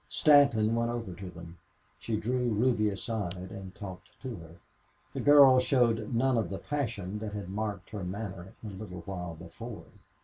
Stanton went over to them. She drew Ruby aside and talked to her. The girl showed none of the passion that had marked her manner a little while before.